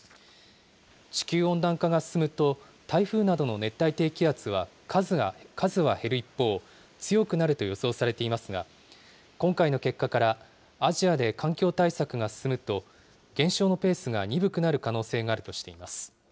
地球温暖化が進むと台風などの熱帯低気圧は数は減る一方、強くなると予想されていますが、今回の結果から、アジアで環境対策が進むと、減少のペースが鈍くなる可能性があるとしています。